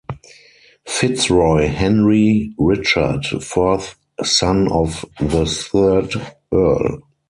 FitzRoy Henry Richard, fourth son of the third Earl.